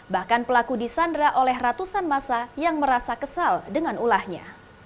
bahkan pelaku disandra oleh ratusan masa yang merasa kesal dengan ulahnya